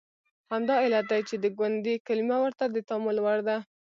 همدا علت دی چې د ګوندي کلمه ورته د تامل وړ ده.